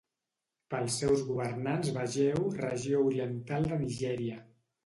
Pels seus governants vegeu Regió Oriental de Nigèria.